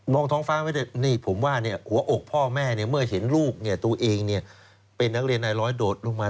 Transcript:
ท้องฟ้าไม่ได้นี่ผมว่าหัวอกพ่อแม่เมื่อเห็นลูกตัวเองเป็นนักเรียนในร้อยโดดลงมา